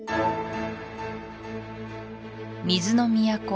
水の都